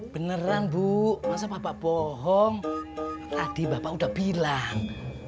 beneran bu masa bapak bohong tadi bapak udah bilang